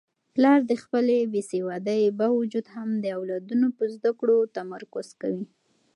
پلار د خپلې بې سوادۍ باوجود هم د اولادونو په زده کړو تمرکز کوي.